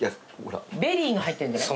ベリーが入ってんじゃない？